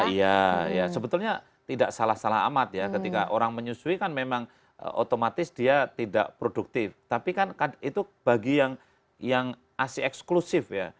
iya ya sebetulnya tidak salah salah amat ya ketika orang menyusui kan memang otomatis dia tidak produktif tapi kan itu bagi yang asli eksklusif ya